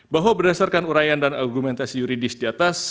bahwa berdasarkan urayan dan argumentasi yuridis di atas